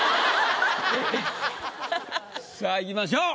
さあいきましょう。